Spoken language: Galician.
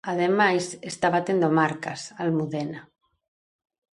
Ademais, está batendo marcas, Almudena.